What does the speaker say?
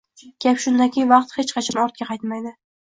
Gap shundaki, vaqt hech qachon ortga qaytmaydi...